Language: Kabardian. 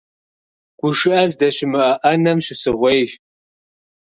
ГушыӀэ здэщымыӀэ Ӏэнэм щысыгъуейщ.